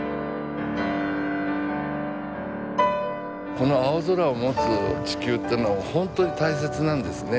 この青空を持つ地球というのは本当に大切なんですね。